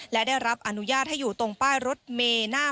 และได้รับอนุญาตให้อยู่ตรงป้ายรถเมหน้า